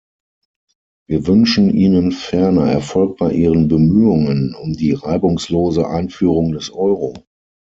Wir wünschen Ihnen ferner Erfolg bei Ihren Bemühungen um die reibungslose Einführung des Euro.